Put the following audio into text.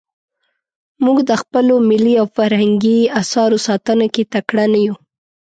موږ د خپلو ملي او فرهنګي اثارو ساتنه کې تکړه نه یو.